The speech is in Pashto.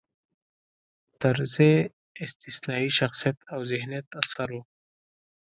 طرزی استثنايي شخصیت او ذهینت اثر و.